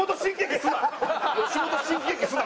吉本新喜劇すな！